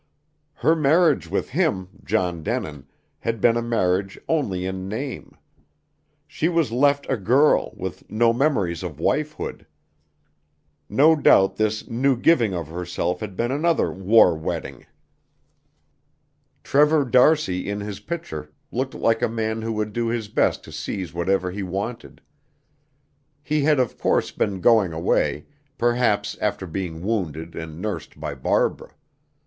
Her marriage with him, John Denin, had been a marriage only in name. She was left a girl, with no memories of wifehood. No doubt this new giving of herself had been another "war wedding." Trevor d'Arcy in his picture looked like a man who would do his best to seize whatever he wanted. He had of course been going away, perhaps after being wounded and nursed by Barbara.